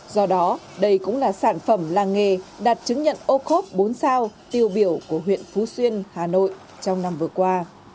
do đó đây cũng là sản phẩm làng nghề đạt chứng nhận ô khốp bốn sao tiêu biểu của huyện phú xuyên hà nội trong năm vừa qua